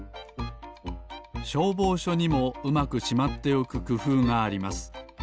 しょうぼうしょにもうまくしまっておくくふうがあります。